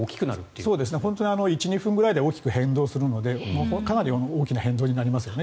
本当に１２分くらいで変動するのでかなり大きな変動になりますね。